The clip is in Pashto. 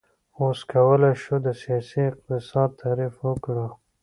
اوس کولی شو د سیاسي اقتصاد تعریف وکړو.